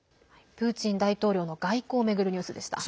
プーチン大統領の外交を巡るニュースでした。